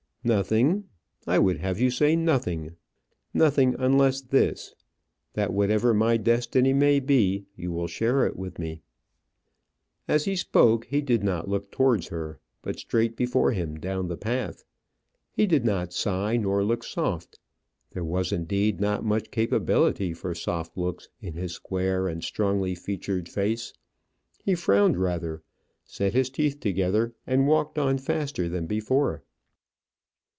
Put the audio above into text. "Nothing; I would have you say nothing nothing, unless this: that whatever my destiny may be, you will share it with me." As he spoke he did not look towards her, but straight before him down the path. He did not sigh, nor look soft. There was indeed not much capability for soft looks in his square and strongly featured face. He frowned rather, set his teeth together, and walked on faster than before.